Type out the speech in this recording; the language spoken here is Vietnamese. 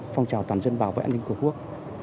phong trào toàn dân bảo vệ an ninh tổ quốc